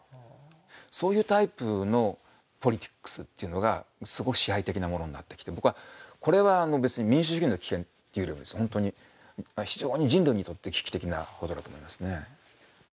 そういうタイプのポリティックスというのがすごく支配的なものになってきて、僕はこれは別に民主主義の危険というより、非常に人類にとって危機的なことだと思いますね。